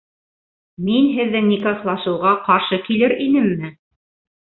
Мин һеҙҙең никахлашыуға ҡаршы килер инемме?